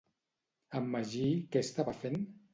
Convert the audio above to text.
En Magí què estava fent?